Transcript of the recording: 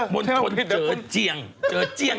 มนตรเจอเจียง